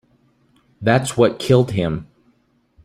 That's what killed him.